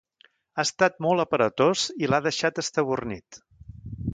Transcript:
Ha estat molt aparatós i l'ha deixat estabornit.